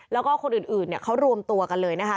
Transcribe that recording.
แล้วก็คนอื่นเขารวมตัวกันเลยนะคะ